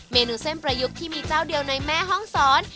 เมนูเส้นประยุกต์ที่มีเจ้าเดียวในแม่ห้องศร